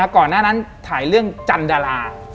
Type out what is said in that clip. ก่อนหน้านั้นถ่ายเรื่องจันดารา